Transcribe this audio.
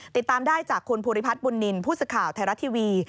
ติดตามได้จากคุณภูริพัฒน์บุญนินทร์ผู้สื่อข่าวไทยรัฐทีวี